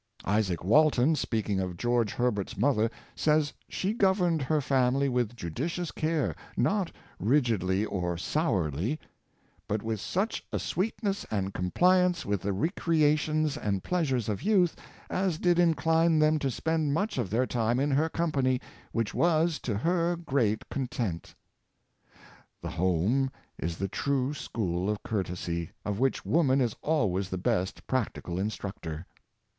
Izaak Walton, speaking of George Herbert's mother, saj's she governed her family with judicious care, not rigidly or sourly, ^' but with such a sweetness and compliance with the recreations and pleasures of youth, as did incline them to spend much of their time in her company, which was to her great content." The home is the true school of courtesy, of which woman is always the best practical instructor.